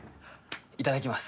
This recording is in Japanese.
いただきます。